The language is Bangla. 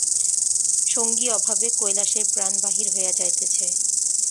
সঙ্গী অভাবে কৈলাসের প্রাণ বাহির হইয়া যাইতেছে।